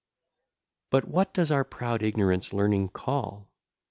III But what does our proud ignorance Learning call?